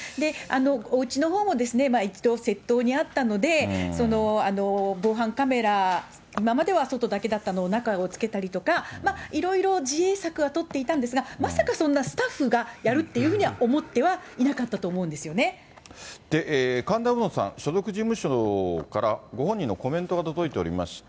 おうちのほうも、一度、窃盗に遭ったので、防犯カメラ、今までは外だけだったのを、中を付けたりとか、いろいろ自衛策は取っていたんですが、まさかそんなスタッフがやるっていうふうには思ってはいなかった神田うのさん、所属事務所からご本人のコメントが届いておりまして。